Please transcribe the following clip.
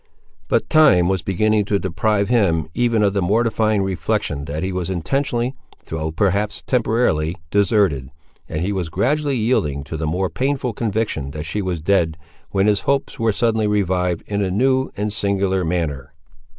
But time was beginning to deprive him, even of the mortifying reflection that he was intentionally, though perhaps temporarily, deserted, and he was gradually yielding to the more painful conviction that she was dead, when his hopes were suddenly revived, in a new and singular manner.